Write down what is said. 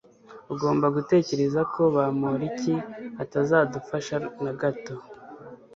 Ugomba gutekereza ko Bamoriki atazadufasha na gato